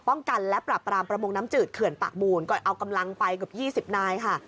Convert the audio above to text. กันและปรับปรามประมงน้ำจืดเขื่อนปากมูลก็เอากำลังไปเกือบ๒๐นายค่ะ